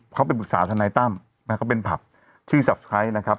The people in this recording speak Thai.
เขาเป็นปรึกษาธนัยตั้มนะฮะเขาเป็นผับชื่อนะครับ